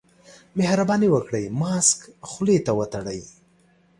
مهرباني وکړئ، ماسک خولې ته وتړئ.